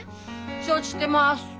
承知してます！